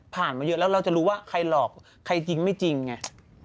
มาเยอะแล้วเราจะรู้ว่าใครหลอกใครจริงไม่จริงไง